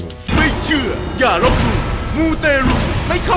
ไม่เชื่ออย่ารบลุง